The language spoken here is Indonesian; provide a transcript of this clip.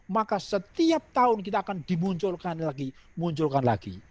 maka setiap tahun kita akan dimunculkan lagi